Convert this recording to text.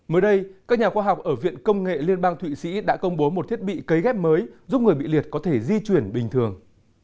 mới đây các nhà khoa học ở viện công nghệ liên bang thụy sĩ đã công bố một thiết bị cấy ghép mới giúp người bị liệt có thể di chuyển bình thường